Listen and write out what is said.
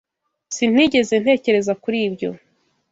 Sinigeze ntekereza kuri ibyo